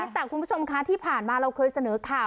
แต่คุณผู้ชมคะที่ผ่านมาเราเคยเสนอข่าว